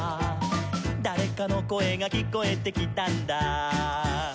「だれかのこえがきこえてきたんだ」